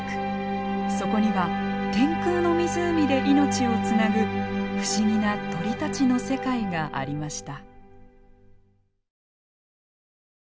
そこには天空の湖で命をつなぐ不思議な鳥たちの世界がありました。